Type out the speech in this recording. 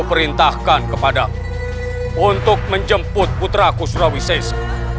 paman amuk marugul menangkap rais rawi sese